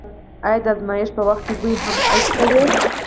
آیا د ازمایښت په وخت کې بوی هم حس کوئ؟